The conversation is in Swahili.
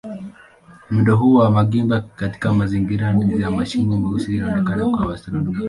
Mwendo huu wa magimba katika mazingira ya mashimo meusi unaonekana kwa wanaastronomia.